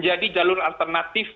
jadi kita sering menuntut